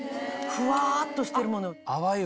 ふわっとしてるもの。